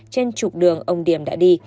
trên chục đường ông điểm đã đi